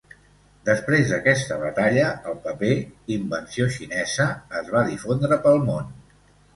Després d'aquesta batalla el paper, invenció xinesa, es va difondre pel món.